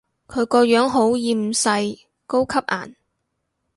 佢個樣好厭世，高級顏